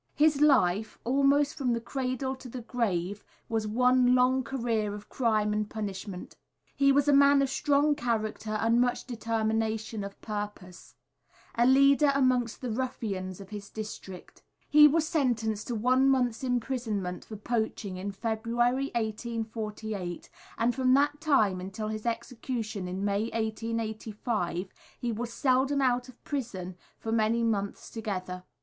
His life, almost from the cradle to the grave, was one long career of crime and punishment. He was a man of strong character and much determination of purpose, a leader amongst the ruffians of his district. He was sentenced to one month's imprisonment for poaching in February, 1848, and from that time until his execution in May, 1885, he was seldom out of prison for many months together.